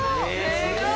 「すごーい！」